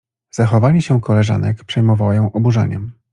Zachowanie się koleżanek przejmowało ją oburzeniem.